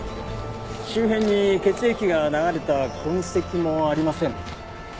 周辺に血液が流れた痕跡もありません。